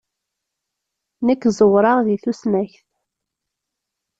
Nekk ẓewreɣ deg tusnakt.